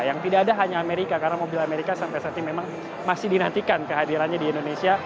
yang tidak ada hanya amerika karena mobil amerika sampai saat ini memang masih dinantikan kehadirannya di indonesia